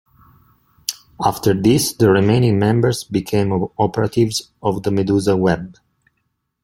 After this the remaining members became operatives of the Medusa Web.